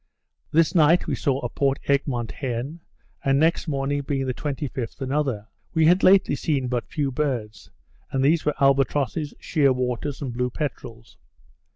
This night we saw a Port Egmont hen; and next morning, being the 25th, another. We had lately seen but few birds; and those were albatrosses, sheer waters, and blue peterels.